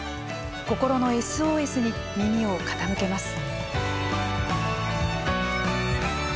心のＳＯＳに耳を傾けます。